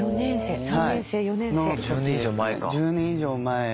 ・１０年以上前か。